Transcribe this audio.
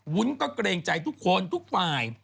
วุ้นก็เกรงใจทุกคนทุกฝ่าย